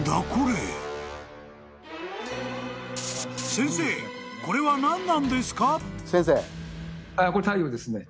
［先生これは何なんですか？］